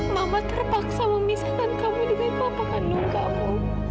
mama terpaksa memisahkan kamu dengan papa kanon kamu